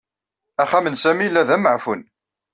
Axxam n Sami yella d ameɛfun.